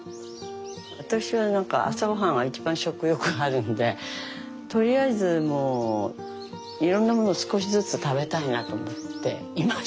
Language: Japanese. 私はなんか朝ごはんは一番食欲あるのでとりあえずもういろんなものを少しずつ食べたいなと思っていまして。